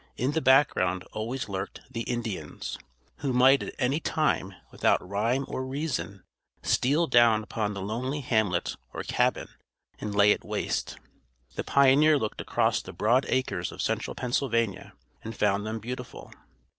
In the background always lurked the Indians, who might at any time, without rhyme or reason, steal down upon the lonely hamlet or cabin, and lay it waste. The pioneer looked across the broad acres of central Pennsylvania and found them beautiful.